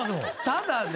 ただね